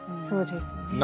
そうですね。